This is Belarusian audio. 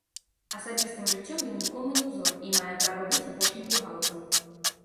Асабістым жыццём ён нікому не ўзор і мае права быць апошнім плюгаўцам.